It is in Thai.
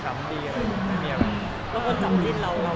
ไม่มีอะไร